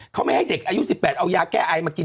เขาไม่ให้เด็กอายุสิบแปดเอายาแก้อายมากิน